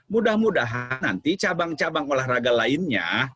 mudah mudahan nanti cabang cabang olahraga lainnya